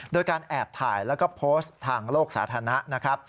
โดยการแอบถ่ายแล้วก็โพสต์ทางโลกสาธารณะนะครับ